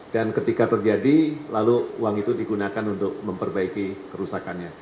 dan ketika terjadi lalu uang itu digunakan untuk memperbaiki kerusakannya